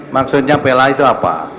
maksudnya pela itu apa